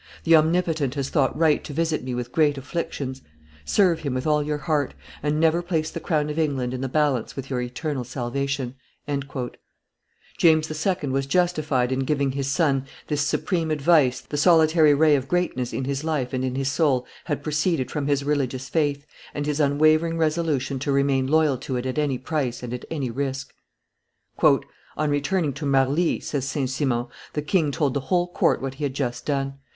The Omnipotent has thought right to visit me with great afflictions; serve Him with all your heart, and never place the crown of England in the balance with your eternal salvation." James II. was justified in giving his son this supreme advice the solitary ray of greatness in his life and in his soul had proceeded from his religious faith, and his unwavering resolution to remain loyal to it at any price and at any risk. "On returning to Marly," says St. Simon, "the king told the whole court what he had just done.